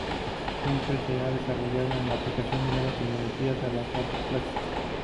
Siempre se ha desarrollado en la aplicación de nuevas tecnologías a las artes plásticas.